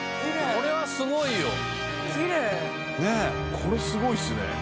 これすごいっすね。